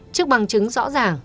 trước bằng chứng rõ ràng